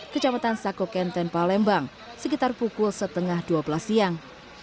kecamatan sakokenten palembang sekitar pukul setengah dua belas siang